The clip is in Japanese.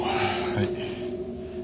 はい。